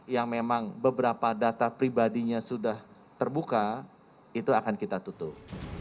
yang memang beberapa data pribadinya sudah terbuka itu akan kita tutup